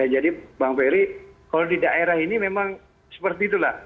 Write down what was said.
jadi pak ferry kalau di daerah ini memang seperti itulah